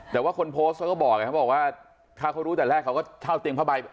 แต่ว่าคนโพสต์เขาก็บอกไงเขาบอกว่าถ้าเขารู้แต่แรกเขาก็เช่าเตียงผ้าใบ